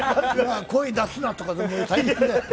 声出すなとか、大変だよ。